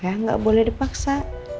ya gak boleh dipaksa